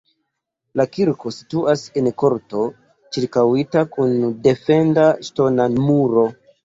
La kirko situas en korto ĉirkaŭita kun defenda ŝtona muro.